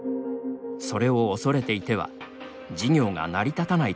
それを恐れていては事業が成り立たないというのです。